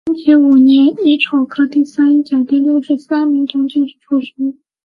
天启五年乙丑科第三甲第六十三名同进士出身。